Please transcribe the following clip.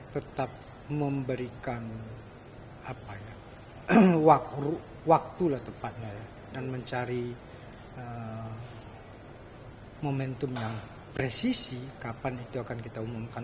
tetap memberikan waktu lah tepatnya dan mencari momentum yang presisi kapan itu akan kita umumkan